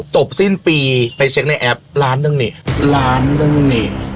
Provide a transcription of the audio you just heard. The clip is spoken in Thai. จบสิ้นปีไปเช็คในแอปล้านหนึ่งนี่ล้านหนึ่งนี่